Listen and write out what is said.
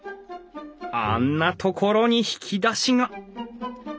あんな所に引き出しが！